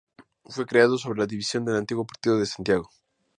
Fue creado sobre la división del antiguo Partido de Santiago.